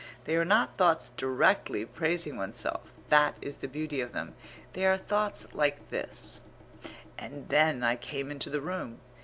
They are not thoughts directly praising oneself; that is the beauty of them; they are thoughts like this: "And then I came into the room.